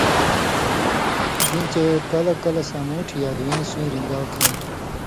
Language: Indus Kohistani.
گِنہۡ چے کلہۡ کلہۡ سامُوٹھیۡ یا دُوئیں سُویں رِن٘گاؤ کھیں